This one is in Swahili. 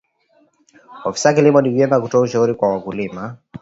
afisa kilimo ni vyema kutoa ushauri kwa wakulima